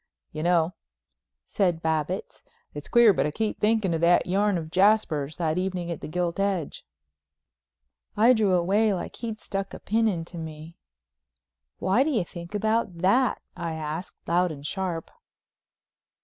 "You know," said Babbitts, "it's queer but I keep thinking of that yarn of Jasper's, that evening in the Gilt Edge." I drew away like he'd stuck a pin into me. "Why do you think about that?" I asked loud and sharp.